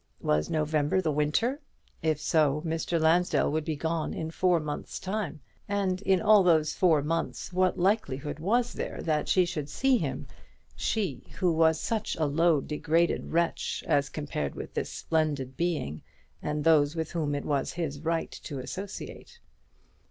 Was November the winter? If so, Mr. Lansdell would be gone in four months' time. And in all those four months what likelihood was there that she should see him, she, who was such a low degraded wretch as compared with this splendid being and those with whom it was his right to associate?